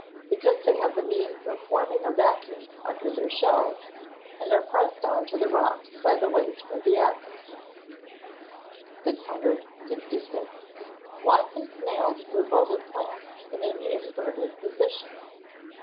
_ Because they have the means of forming a vacuum under their shells, and are pressed on to the rocks by the weight of the atmosphere. 666. _Why can snails move over plants in an inverted position?